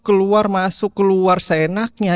keluar masuk keluar seenaknya